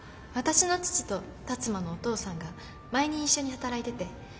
私の父と辰馬のお父さんが前に一緒に働いてて。